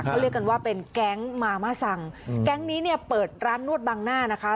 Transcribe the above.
เขาเรียกกันว่าเป็นแก๊งมาม่าซังแก๊งนี้เนี่ยเปิดร้านนวดบังหน้านะคะ